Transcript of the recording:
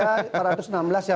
kalau nggak mau jelasin saya